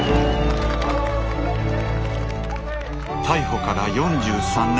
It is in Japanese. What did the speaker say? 逮捕から４３年。